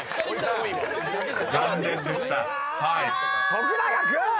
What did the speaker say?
徳永君！